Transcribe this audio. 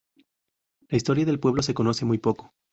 La historia del pueblo se conoce muy poco.